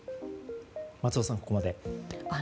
松尾さん、ここまで。